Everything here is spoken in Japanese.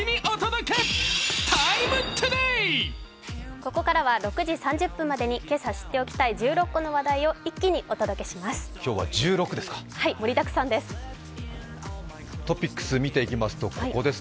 ここからは６時３０分までに今朝知っておきたい１６個の話題を、一気にお届けします。